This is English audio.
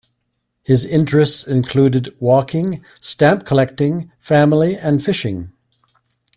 His interests included walking, stamp-collecting, family and fishing.